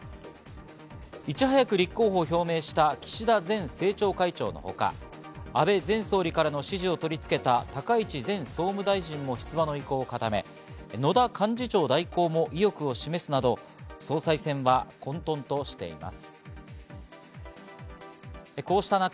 いち早く立候補を表明した岸田前政調会長のほか、安倍前総理からの支持を取り付けた高市前総務大臣も出馬の意向を固め、野田幹事長代行も意欲を示すなど、総裁選は混沌としています。